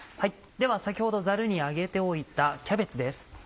では先ほどザルに上げておいたキャベツです。